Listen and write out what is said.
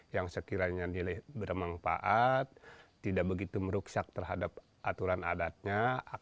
yang sekiranya nilai bermanfaat tidak begitu meruksak terhadap aturan adatnya